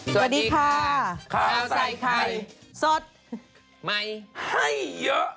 สวัสดีค่ะข้าวใส่ไข่สดใหม่ให้เยอะ